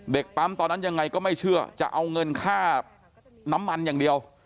ปั๊มตอนนั้นยังไงก็ไม่เชื่อจะเอาเงินค่าน้ำมันอย่างเดียว